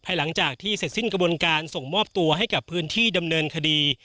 หลังจากที่เสร็จสิ้นกระบวนการส่งมอบตัวให้กับพื้นที่ดำเนินคดี